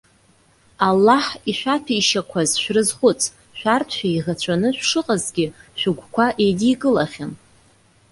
Аллаҳ ишәаҭәеишьақәаз шәрызхәыц. Шәарҭ шәеиӷацәаны шәшыҟазгьы, шәыгәқәа еидикылахьан.